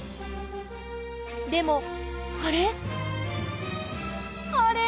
でもあれ？